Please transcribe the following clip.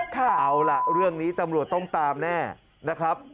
เอาล่ะเรื่องนี้ตำรวจต้องตามแน่นะครับ